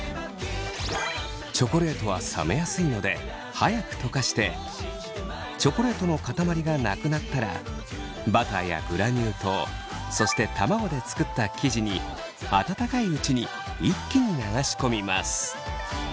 チョコレートは冷めやすいので早く溶かしてチョコレートの塊がなくなったらバターやグラニュー糖そして卵で作った生地に温かいうちに一気に流し込みます。